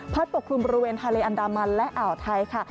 ปกคลุมบริเวณทะเลอันดามันและอ่าวไทยค่ะ